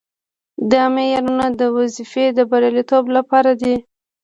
دا معیارونه د وظیفې د بریالیتوب لپاره دي.